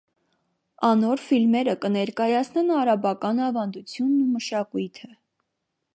Անոր ֆիլմերը կը ներկայացնեն արաբական աւանդութիւնն ու մշակոյթը։